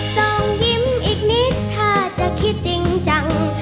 ส่งยิ้มอีกนิดถ้าจะคิดจริงจัง